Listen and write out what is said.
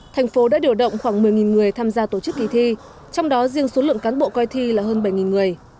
thành phố đã điều động khoảng một mươi người tham gia tổ chức kỳ thi trong đó riêng số lượng cán bộ coi thi là hơn bảy người